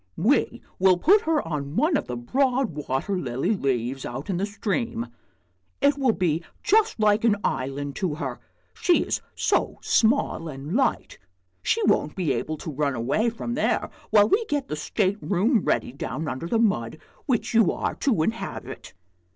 We will put her on one of the broad water lily leaves out in the stream; it will be just like an island to her, she is so small and light. She won't be able to run away from there while we get the state room ready down under the mud, which you are to inhabit."